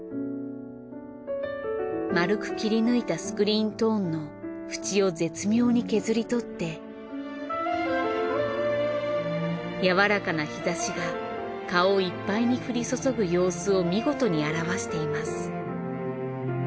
丸く切り抜いたスクリーントーンの縁を絶妙に削り取ってやわらかな日差しが顔いっぱいに降り注ぐ様子を見事に表しています。